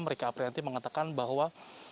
mereka aprianti mengatakan bahwa